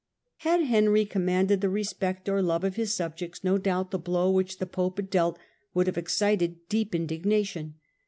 Had Henry commanded the respect or love of his subjects, no doubt the blow which the pope had dealt would have excited deep indignation.